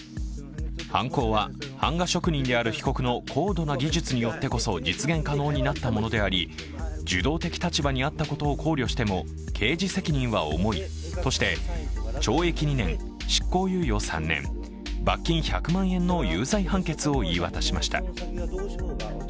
犯行は版画職人である被告の高度な技術によってこそ実現可能になったものであり受動的立場にあったことを考慮しても刑事責任は重いとして懲役２年、執行猶予３年罰金１００万円の有罪判決を言い渡しました。